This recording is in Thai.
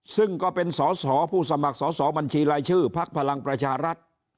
ซึ่งก็เป็นสอสอผู้สมัครสอบบัญชีรายชื่อพักพลังประชารัฐ